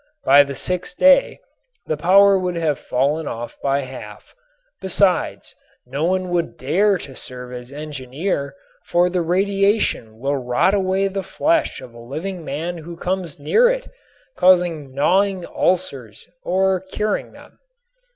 By the sixth day the power would have fallen off by half. Besides, no one would dare to serve as engineer, for the radiation will rot away the flesh of a living man who comes near it, causing gnawing ulcers or curing them.